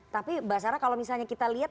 tapi mbak sarah kalau misalnya kita lihat